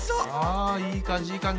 あいい感じいい感じ。